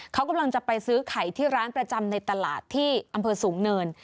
เขากำลังจะไปซื้อไข่ที่ร้านประจำในตลาดที่อำเภอสูงเนิน